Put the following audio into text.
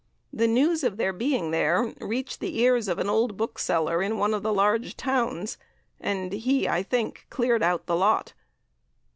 The news of their being there reached the ears of an old bookseller in one of the large towns, and he, I think, cleared out the lot.